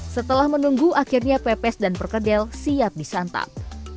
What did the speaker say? setelah menunggu akhirnya pepes dan perkedel siap disantap